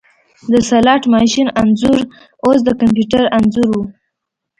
د سلاټ ماشین انځور اوس د کمپیوټر انځور و